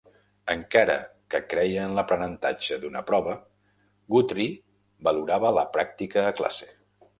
Encara que creia en l'aprenentatge d'una prova, Guthrie valorava la pràctica a classe.